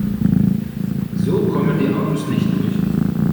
So kommen die Autos nicht durch.